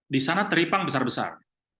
di sana teripang besar besar